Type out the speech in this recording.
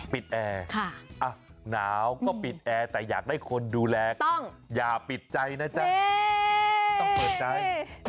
แอร์หนาวก็ปิดแอร์แต่อยากได้คนดูแลต้องอย่าปิดใจนะจ๊ะต้องเปิดใจ